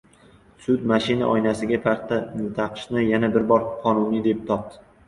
Sud mashina oynasiga parda taqishni yana bir bor qonuniy deb topdi